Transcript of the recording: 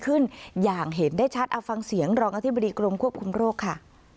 เอาฟังเสียงรองอธิบดีกรมควบคุมโรคค่ะ